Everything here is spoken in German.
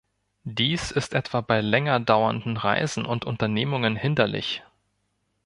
Dies ist etwa bei länger dauernden Reisen und Unternehmungen hinderlich.